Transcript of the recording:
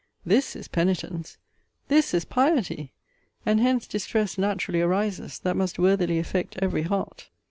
This is penitence! This is piety! And hence distress naturally arises, that must worthily effect every heart.